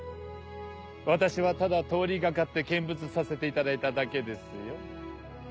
私はただ通りがかって見物させていただいただけですよ。